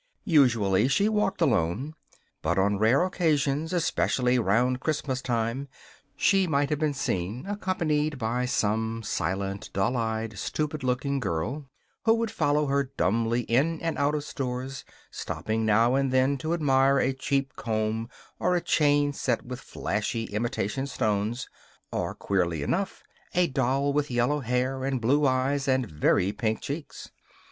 Usually she walked alone; but on rare occasions, especially round Christmastime, she might have been seen accompanied by some silent, dull eyed, stupid looking girl, who would follow her dumbly in and out of stores, stopping now and then to admire a cheap comb or a chain set with flashy imitation stones or, queerly enough, a doll with yellow hair and blue eyes and very pink cheeks.